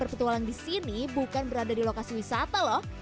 petualang di sini bukan berada di lokasi wisata loh